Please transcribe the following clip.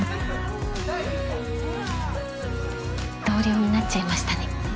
同僚になっちゃいましたね。